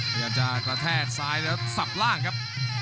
พยายามจะกระแทกซ้ายแล้วสับล่างครับ